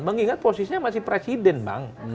mengingat posisinya masih presiden bang